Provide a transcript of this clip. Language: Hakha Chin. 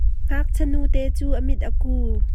Ngakchia nute cu amit a ku.